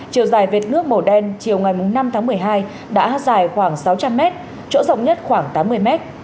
chiều dài vệt nước màu đen chiều ngày năm tháng một mươi hai đã dài khoảng sáu trăm linh m chỗ rộng nhất khoảng tám mươi mét